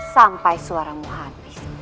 sampai suaramu habis